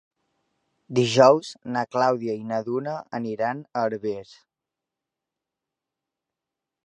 Dijous na Clàudia i na Duna aniran a Herbers.